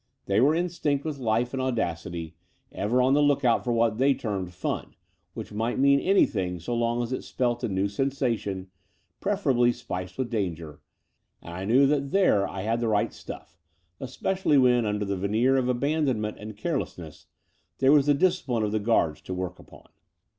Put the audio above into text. They were in stinct with life and audacity, ever on the lookout for what they termed "fun," which might mean anything so long as it spelt a new sensation, prefer ably spiced with danger: and I knew that there I had the right stuff, especially when, tmder the veneer of abandonment and carelessness, there was the discipline of the Guards to work upon.